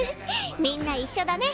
みんな一緒だね。